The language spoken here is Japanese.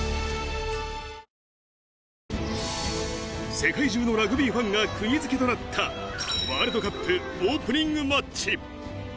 世界中のラグビーファンが釘付けとなったワールドカップオープニングマッチ。